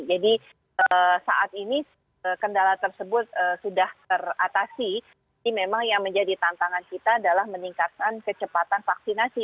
jadi saat ini kendala tersebut sudah teratasi ini memang yang menjadi tantangan kita adalah meningkatkan kecepatan vaksinasi